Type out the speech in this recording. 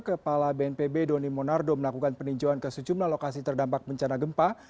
kepala bnpb doni monardo melakukan peninjauan ke sejumlah lokasi terdampak bencana gempa